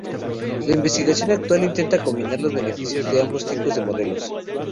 La investigación actual intenta combinar los beneficios de ambos tipos de modelos.